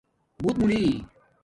بوت مُونی